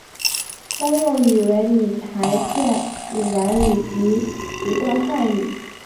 通用语为闽台片闽南语及籍贯汉语。